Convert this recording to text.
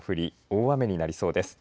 大雨になりそうです。